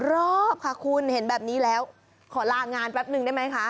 รอบค่ะคุณเห็นแบบนี้แล้วขอลางานแป๊บนึงได้ไหมคะ